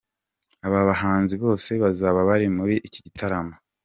Aba bahanzi bose bazaba bari muri iki gitaramo.